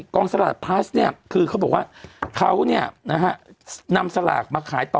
กองสลากพลัสเนี่ยคือเขาบอกว่าเขานำสลากมาขายต่อ